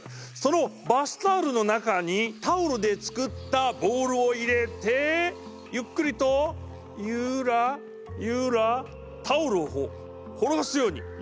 そのバスタオルの中にタオルで作ったボールを入れてゆっくりとゆらゆらタオルを転がすように。